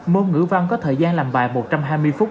môn ngữ văn có thời gian làm bài một trăm hai mươi phút